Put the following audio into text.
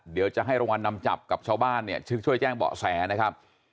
เดี๋ยวจะให้รางวัลนำจับกับชาวบ้านเนี่ยช่วยแจ้งเบาะแสนะครับ